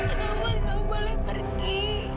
bagaimana kau boleh pergi